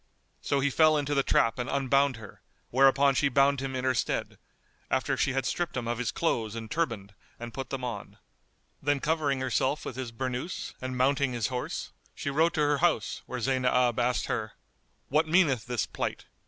So he fell into the trap and unbound her; whereupon she bound him in her stead, after she had stripped him of his clothes and turband and put them on; then covering herself with his burnouse and mounting his horse, she rode to her house, where Zaynab asked her, "What meaneth this plight?"